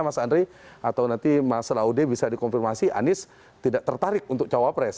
atau nanti mas laude bisa dikonfirmasi anis tidak tertarik untuk capres